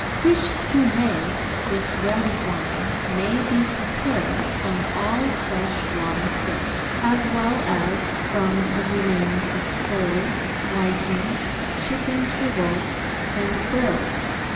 Fish fumet with red wine may be prepared from all fresh water fish, as well as from the remains of sole, whiting, chicken turbot, and brill.